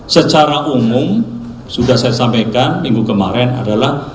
secara umum sudah saya sampaikan minggu kemarin adalah